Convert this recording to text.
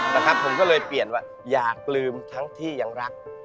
นะครับผมก็เลยเปลี่ยนว่าอย่าลืมทั้งที่ยังรัก